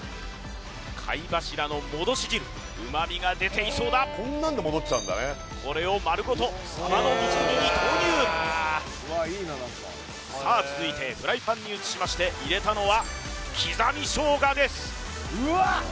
貝柱の戻し汁旨味が出ていそうだこれを丸ごとさばの水煮に投入さあ続いてフライパンに移しまして入れたのは刻み生姜です